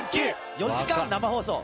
４時間生放送。